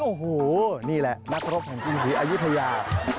โอ้โหนี่แหละนักรบแห่งกรุงศรีอายุทยา